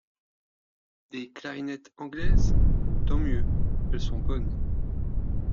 Des clarinettes anglaises ? Tant mieux ! elles sont bonnes.